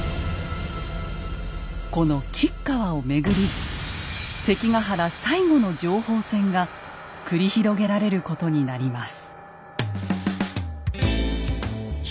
この吉川をめぐり関ヶ原最後の情報戦が繰り広げられることになります。